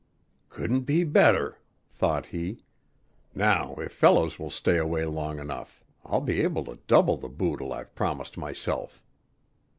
"Couldn't be better," thought he. "Now if Fellows will stay away long enough, I'll be able to double the boodle I've promised myself."